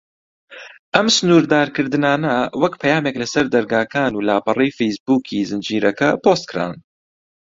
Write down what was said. ئەم سنوردارکردنانە وەک پەیامێک لە سەر دەرگاکان و لاپەڕەی فەیس بووکی زنجیرەکە پۆست کران.